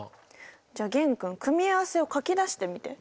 じゃあ玄君組み合わせを書き出してみて。